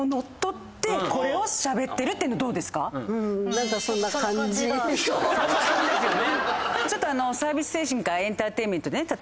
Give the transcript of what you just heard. だからそんな感じですよね？